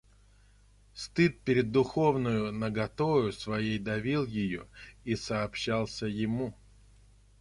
Стыд пред духовною наготою своей давил ее и сообщался ему.